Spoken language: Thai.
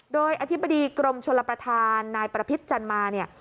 โดยอธิบดีกรมชลประธานนายประพิษจันมาเนี่ย